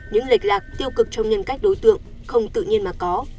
những lệch lạc tiêu cực trong nhân cách đối tượng không tự nhiên mà có